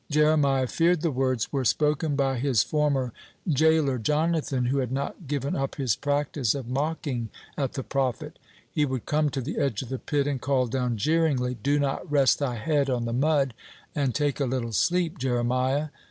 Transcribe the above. Jeremiah feared the words were spoken by his former jailer Jonathan, who had not given up his practice of mocking at the prophet. He would come to the edge of the pit and call down jeeringly: "Do not rest thy head on the mud, and take a little sleep, Jeremiah."